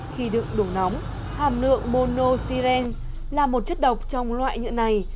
khi đựng đủ nóng hàm lượng monostiren là một chất độc trong loại nhựa này